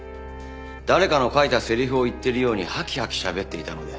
誰かの書いたセリフを言ってるようにハキハキしゃべっていたので。